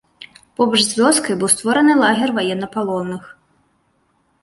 Побач з вёскай быў створаны лагер ваеннапалонных.